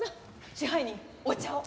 支配人お茶を。